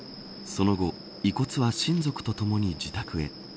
その後、遺骨は親族とともに自宅へ。